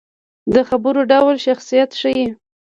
د خبرو ډول شخصیت ښيي